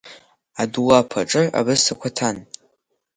Адулаԥ аҿы абысҭақәа ҭан…